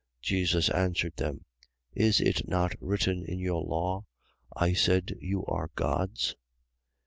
10:34. Jesus answered them: Is it not written in your law: I said, you are gods?